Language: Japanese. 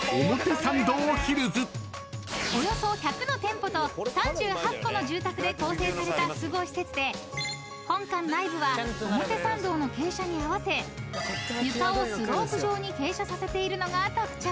［およそ１００の店舗と３８戸の住宅で構成された複合施設で本館内部は表参道の傾斜に合わせ床をスロープ状に傾斜させているのが特徴］